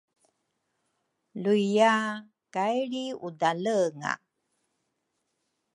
luiya kai lriudalenga.